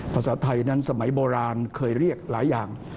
ภาษาไทยนั้นสมัยโบราณเคยเรียกหลายอย่าง